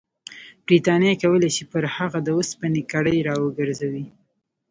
برټانیه کولای شي پر هغه د اوسپنې کړۍ راوګرځوي.